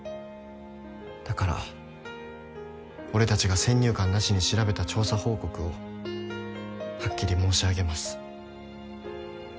だから俺たちが先入観なしに調べた調査報告をはっきり申し上げます。